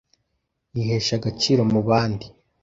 yihesha agaciro mu bandi.